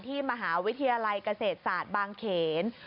มหาวิทยาลัยเกษตรศาสตร์บางเขน